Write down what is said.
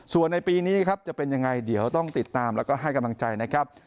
ส่วนในปีนี้ครับจะเป็นยังไงเดี๋ยวต้องติดตามแล้วก็ให้กำลังใจนะครับ